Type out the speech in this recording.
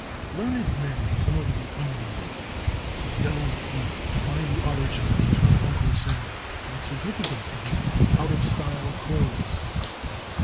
Learned men and some of the unlearned have delved deep to find the origin of the term Uncle Sam, and the significance of his out of style clothes.